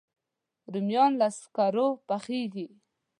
رومیان له سکرو پخېږي